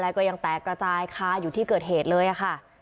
แล้วก็ยังแตกกระจายคาอยู่ที่เกิดเหตุเลยค่ะ